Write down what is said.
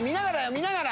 見ながら！